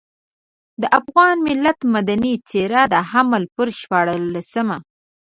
د افغان ملت مدني څېره د حمل پر شپاړلسمه.